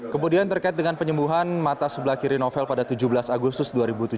kemudian terkait dengan penyembuhan mata sebelah kiri novel pada tujuh belas agustus dua ribu tujuh belas